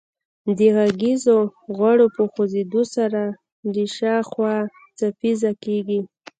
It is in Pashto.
د غږیزو غړو په خوځیدو سره د سا هوا څپیزه کیږي